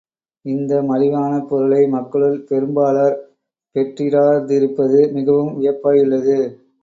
இந்த மலிவான பொருளை மக்களுள் பெரும்பாலார் பெற்றிராதிருப்பது மிகவும் வியப்பாயுள்ளது.